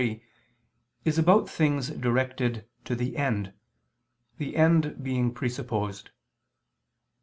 3) is about things directed to the end, the end being presupposed.